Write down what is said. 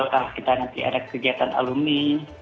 atau kita nanti ada kegiatan alumi